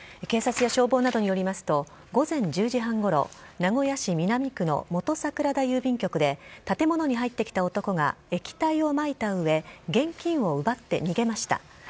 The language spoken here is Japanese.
警察や消防などによりますと、午前１０時半ごろ、名古屋市南区の元桜田郵便局で建物に入って来た男が、液体をまいたうえ、現金を奪って逃げました。